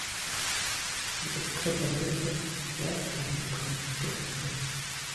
Iteka ryagutse ryatandukanijwe mbere